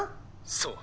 「そう。